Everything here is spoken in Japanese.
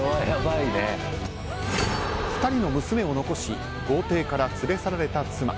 ２人の娘を残し豪邸から連れ去られた妻。